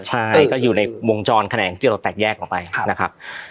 ใช่ก็อยู่ในวงจรคะแนนที่เราแตกแยกออกไปนะครับ